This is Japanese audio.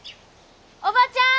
おばちゃん！